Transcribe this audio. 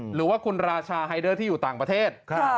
หรือว่าคุณราชาไฮเดอร์ที่อยู่ต่างประเทศ